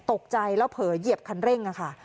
ตกใจแล้วเผยเหยียบคันเร่ง